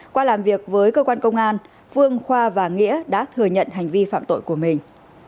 qua làm việc với cơ quan công an phương khoa và nghĩa đã thừa nhận hành vi phạm tội của mình